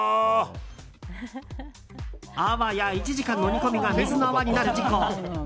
あわや１時間の煮込みが水の泡になる事故。